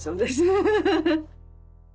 フフフフ！